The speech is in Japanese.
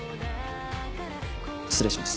失礼します。